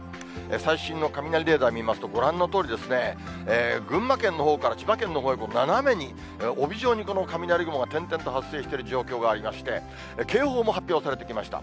最新の雷レーダー見ますと、ご覧のとおり、群馬県のほうから千葉県のほうに、斜めに帯状にこの雷雲が点々と発生している状況がありまして、警報も発表されてきました。